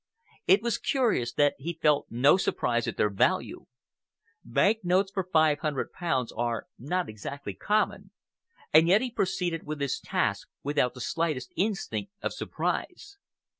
It was curious that he felt no surprise at their value. Bank notes for five hundred pounds are not exactly common, and yet he proceeded with his task without the slightest instinct of surprise.